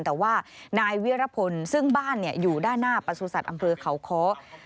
แต่ว่านายวิรพลซึ่งบ้านอยู่ด้านหน้าประสุทธิ์อำเภอเขาค้อ